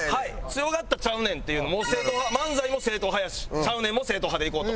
強がった「ちゃうねん」っていうのを漫才も正統派やし「ちゃうねん」も正統派でいこうと。